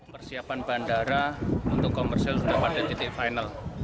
persiapan bandara untuk komersial sudah pada titik final